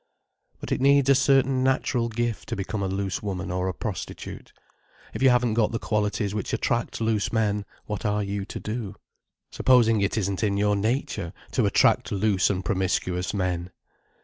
But it needs a certain natural gift to become a loose woman or a prostitute. If you haven't got the qualities which attract loose men, what are you to do? Supposing it isn't in your nature to attract loose and promiscuous men!